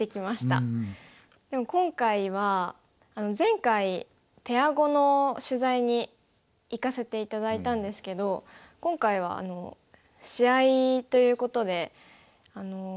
でも今回は前回ペア碁の取材に行かせて頂いたんですけど今回は試合ということで緊張感が全然違いましたね。